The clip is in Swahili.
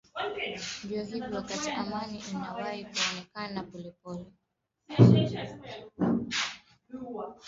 ndio hivi wakati amani inawahi kuonekana pole pole na ka